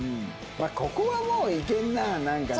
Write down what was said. ここはもういけるななんかね。